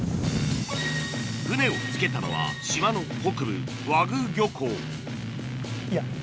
船をつけたのは島の北部ホントだ。